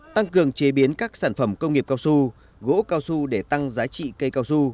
tăng cường chế biến các sản phẩm công nghiệp cao su gỗ cao su để tăng giá trị cây cao su